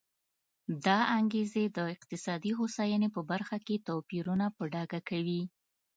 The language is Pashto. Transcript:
دا انګېزې د اقتصادي هوساینې په برخه کې توپیرونه په ډاګه کوي.